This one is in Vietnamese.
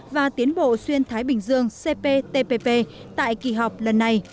và tiến bộ xuyên thái bình dương cptpp tại kỳ họp lần này